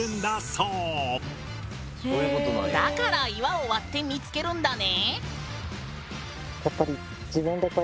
だから岩を割って見つけるんだね。